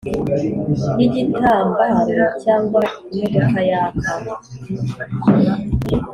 yigitambaro cyangwa imodoka yaka